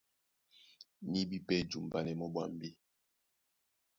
Ní bí pɛ́ jumbanɛ mɔ́ ɓwambí.